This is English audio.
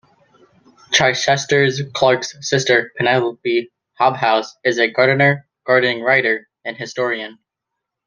Chichester-Clark's sister, Penelope Hobhouse, is a gardener, gardening writer and historian.